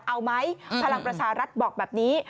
เอาไหมพลังประชารัฐบอกแบบนี้